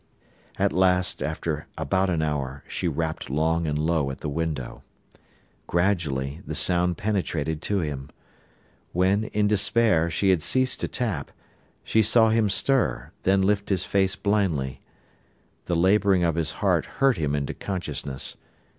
At last, after about an hour, she rapped long and low at the window. Gradually the sound penetrated to him. When, in despair, she had ceased to tap, she saw him stir, then lift his face blindly. The labouring of his heart hurt him into consciousness.